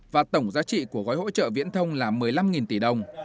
và tổng giá trị của gói hỗ trợ viễn thông là một mươi năm tỷ đồng